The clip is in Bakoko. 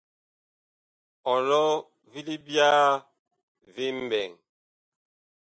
Ɔlɔ vi libyaa vi mɓɛɛŋ.